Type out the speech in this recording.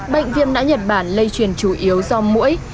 bệnh viêm não nhật bản lây truyền chủ yếu do mũi